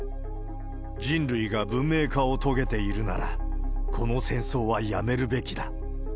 人類が文明化を遂げているなら、この戦争はやめるべきだ。